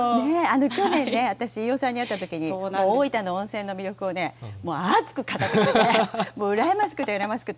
去年ね、私、飯尾さんに会ったときに、大分の温泉の魅力を熱く語ってくれて、羨ましくて羨ましくて。